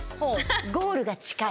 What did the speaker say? ゴールが近い。